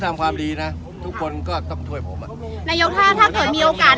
ถ้าเกิดมีโอกาสนายอวกจะเข้าไปนั่งเป็นหัวหน้าพลักต์เลยไหมคะ